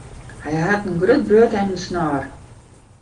Hy hat in grut burd en in snor.